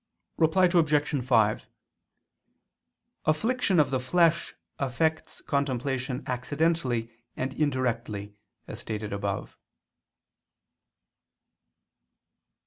Reply Obj. 5: Affliction of the flesh affects contemplation accidentally and indirectly, as stated above.